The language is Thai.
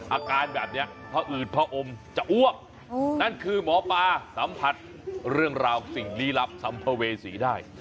อาการแบบนี้พออืดผอมจะอ้วกนั่นคือหมอปลาสัมผัสเรื่องราวสิ่งลี้ลับสัมภเวษีได้